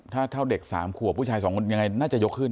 ถ้าเท่าเด็ก๓ขวบผู้ชายสองคนยังไงน่าจะยกขึ้น